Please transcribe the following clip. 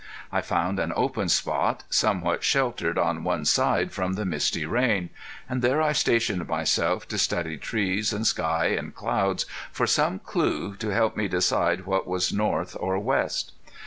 I found an open spot, somewhat sheltered on one side from the misty rain, and there I stationed myself to study trees and sky and clouds for some clue to help me decide what was north or west.